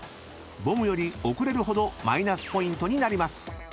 ［ボムより遅れるほどマイナスポイントになります］